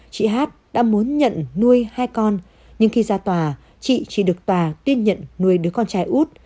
chị hát đã muốn nhận nuôi hai con nhưng khi ra tòa chị chỉ được tòa tuyên nhận nuôi đứa con trai út